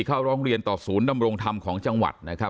เข้าร้องเรียนตอบศูนย์ดำรงศ์ธรรมของจังหวัด